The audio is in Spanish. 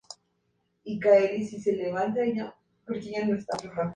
Brasil se convirtió entonces en el primer productor de yerba mate.